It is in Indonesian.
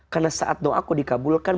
karena saat doaku dikabulkan